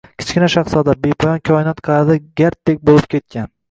Kichkina shahzoda, bepoyon koinot qa’rida garddek bo‘lib ketgan